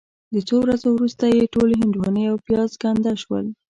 د څو ورځو وروسته یې ټولې هندواڼې او پیاز ګنده شول.